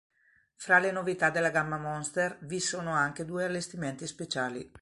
Fra le novità della gamma Monster, vi sono anche due allestimenti speciali.